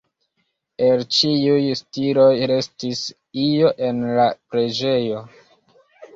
El ĉiuj stiloj restis io en la preĝejo.